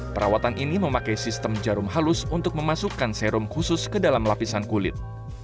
perawatan ini memakai sistem jarum halus untuk memasukkan serum khusus ke dalam lapisan kulit